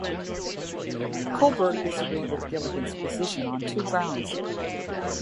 Kohlberg disagreed with Gilligan's position on two grounds.